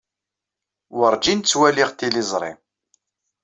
Werǧin ttwaliɣ tiliẓri.